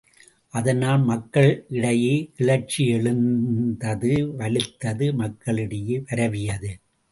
அதனால் மக்கள் இடையே கிளர்ச்சி எழுந்தது வலுத்தது மக்களிடையே பரவியது.